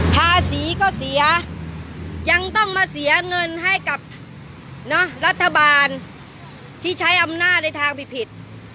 ภาษีก็เสียยังต้องมาเสียเงินให้กับรัฐบาลที่ใช้อำนาจในทางผิด